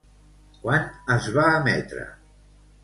Quan es va emetre?